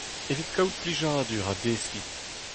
Evit kaout plijadur ha deskiñ !